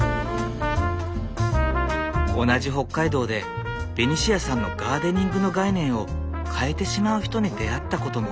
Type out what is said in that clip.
同じ北海道でベニシアさんのガーデニングの概念を変えてしまう人に出会ったことも。